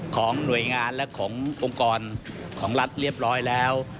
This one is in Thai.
ของหน่วยงานและขององค์กรของรัฐเรียบร้อยแล้ว